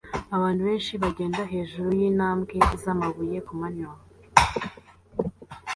Abantu benshi bagenda hejuru yintambwe zamabuye kumanywa